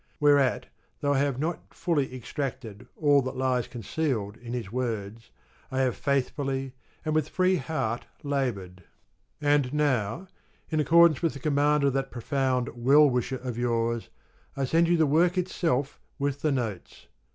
Whereat, though I have not fully extracted all that lies concealed in his words, I have faithfully and with free heart laboured ; ISO and now, in accordance with the command of that profound well wisher of yours, I send you the work itself with the notes.